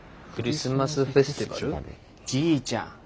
じいちゃん。